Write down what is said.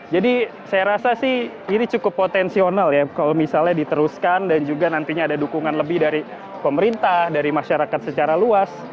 jadi saya rasa sih ini cukup potensional ya kalau misalnya diteruskan dan juga nantinya ada dukungan lebih dari pemerintah dari masyarakat secara luas